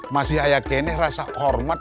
masih ayah keneh rasa hormat